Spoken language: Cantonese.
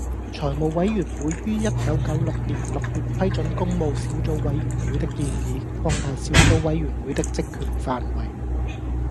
財務委員會於一九九六年六月批准工務小組委員會的建議，擴大小組委員會的職權範圍